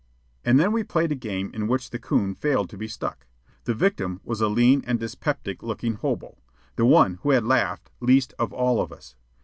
And then we played a game in which the coon failed to be stuck. The victim was a lean and dyspeptic looking hobo, the one who had laughed least of all of us.